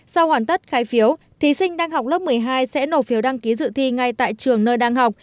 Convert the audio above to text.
sau hoàn tất khai phiếu thí sinh đang học lớp một mươi hai sẽ nộp phiếu đăng ký dự thi ngay tại trường nơi đang học